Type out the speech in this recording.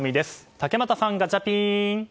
竹俣さん、ガチャピン。